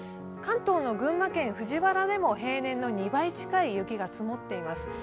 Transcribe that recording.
関東の群馬県藤原でも平年の２倍近い雪が積もっています。